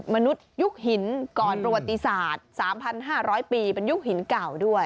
นุษยุคหินก่อนประวัติศาสตร์๓๕๐๐ปีเป็นยุคหินเก่าด้วย